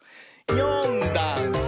「よんだんす」